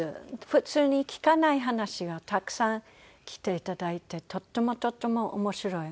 普通に聞かない話がたくさん来て頂いてとってもとっても面白い。